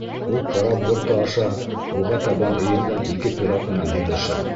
Ул карап борты аша уға табан эйелгән ике пират менән һөйләшә.